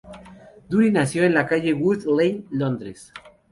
Drury nació en la calle Wood Lane, Londres.